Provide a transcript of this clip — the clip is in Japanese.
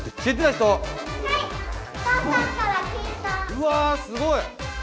うわすごい！